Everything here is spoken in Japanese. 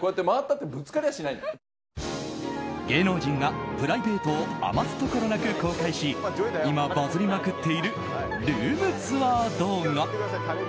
芸能人がプライベートを余すところなく公開し今、バズりまくっているルームツアー動画。